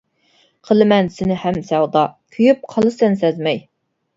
قىلىمەن سېنى ھەم سەۋدا، كۆيۈپ قالىسەن سەزمەي.